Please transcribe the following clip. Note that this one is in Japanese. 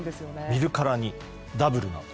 見るからにダブルな。